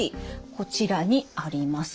こちらにあります。